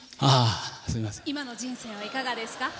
今の人生はいかがですか？